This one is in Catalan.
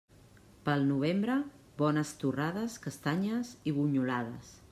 Pel novembre, bones torrades, castanyes i bunyolades.